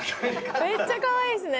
めっちゃかわいいですね。